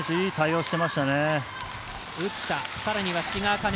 いい対応してましたね。